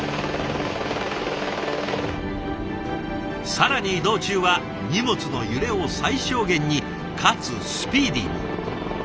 更に移動中は荷物の揺れを最小限にかつスピーディーに。